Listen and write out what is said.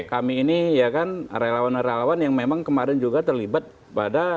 kami ini ya kan relawan relawan yang memang kemarin juga terlibat pada